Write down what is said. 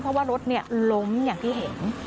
เพราะว่ารถล้มอย่างที่เห็น